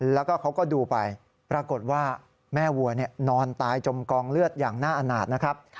แล้วก็เขาก็ดูไปปรากฏว่าแม่วัวนอนตายจมกองเลือดอย่างน่าอาณาจนะครับ